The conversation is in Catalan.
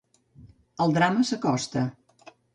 El drama s'acosta.